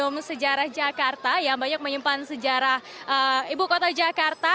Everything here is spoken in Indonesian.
di belakang saya ini ada museum sejarah jakarta yang banyak menyimpan sejarah ibu kota jakarta